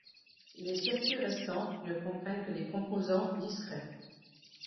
Les circuits restants ne comprennent que des composants discrets.